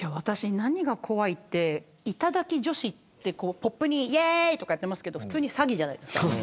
何が怖いって、頂き女子ってポップにいえーいってやってますけど普通に詐欺じゃないですか。